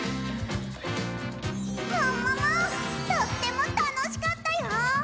もももとってもたのしかったよ！